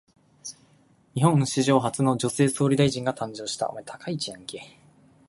日本史上初の女性総理大臣が誕生した。